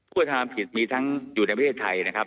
กระทำผิดมีทั้งอยู่ในประเทศไทยนะครับ